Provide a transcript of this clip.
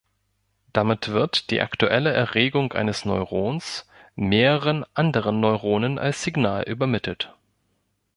Damit wird die aktuelle Erregung eines Neurons mehreren anderen Neuronen als Signal übermittelt.